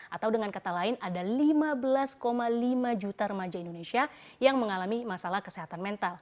atau dengan kata lain ada lima belas lima juta remaja indonesia yang mengalami masalah kesehatan mental